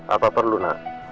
apa perlu nak